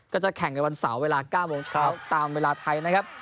จะแข่งในวันเสาร์เวลา๙โมงเช้าตามเวลาไทยนะครับ